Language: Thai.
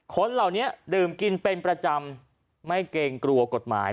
คนเหล่านี้ดื่มกินเป็นประจำไม่เกรงกลัวกฎหมาย